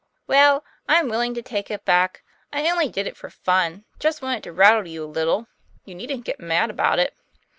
"' Well, I'm willing to take it back. I only did it for fun, just wanted to rattle you a little. You needn't get mad about it."